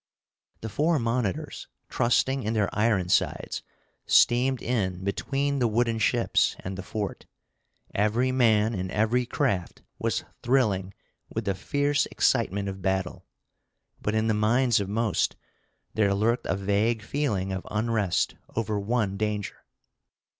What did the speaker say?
The four monitors, trusting in their iron sides, steamed in between the wooden ships and the fort. Every man in every craft was thrilling with the fierce excitement of battle; but in the minds of most there lurked a vague feeling of unrest over one danger.